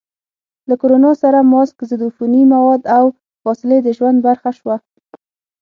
له کرونا سره ماسک، ضد عفوني مواد، او فاصلې د ژوند برخه شوه.